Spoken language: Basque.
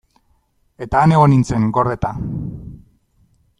Eta han egon nintzen, gordeta.